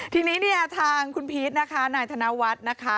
ทีนี้เนี่ยทางคุณพีชนะคะนายธนวัฒน์นะคะ